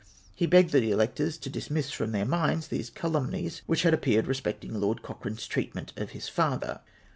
He begged the electors to dismiss from their minds these calum nies which had appeared respecting Lord Cochraue's treatment of his father.